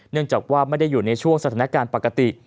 เนื่องจากว่าไม่ได้อยู่ในช่วงสถานการณ์ปกติ